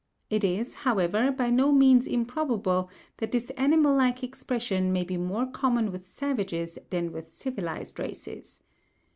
It is, however, by no means improbable that this animal like expression may be more common with savages than with civilized races.